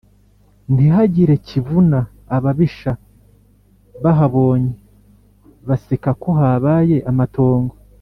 Ntihagire kivuna, Ababisha bahabonye baseka ko habaye amatongo.